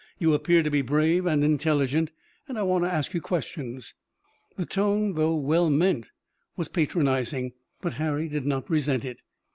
You appear to be brave and intelligent and I want to ask you questions." The tone, though well meant, was patronizing, but Harry did not resent it.